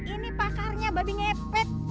ini pakarnya babi ngepet